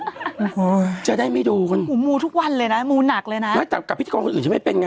โอ้โหจะได้ไม่ดูกันหูมูทุกวันเลยนะมูหนักเลยนะไม่แต่กับพิธีกรคนอื่นจะไม่เป็นไง